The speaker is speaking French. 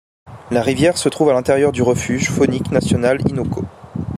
La rivière se trouve à l'intérieur du Refuge faunique national Innoko.